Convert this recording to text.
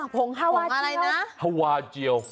ผงฮาวาเจียวผงอะไรนะฮาวาเจียว